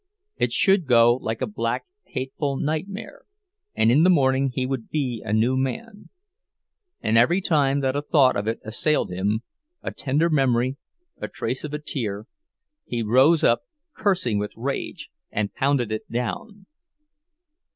It should go like a black, hateful nightmare, and in the morning he would be a new man. And every time that a thought of it assailed him—a tender memory, a trace of a tear—he rose up, cursing with rage, and pounded it down.